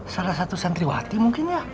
salah satu santriwati mungkin ya